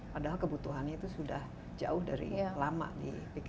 padahal kebutuhannya itu sudah jauh dari lama dipikirkan